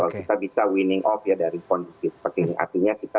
kita bisa winning off ya dari kondisi seperti ini